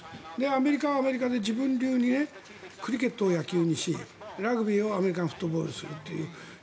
アメリカはアメリカで自分流にクリケットを野球にしラグビーをアメリカのフットボールにするという。